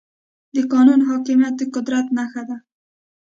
د قانون حاکميت د قدرت نښه ده.